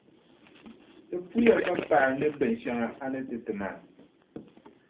Ti puhiya ka paɣi ni pinʼ shɛŋa a ni ti ti maa.